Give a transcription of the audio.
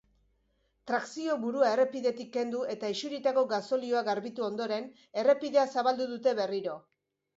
Trakzio-burua errepidetik kendu eta isuritako gasolioa garbitu ondoren, errepidea zabaldu dute berriro.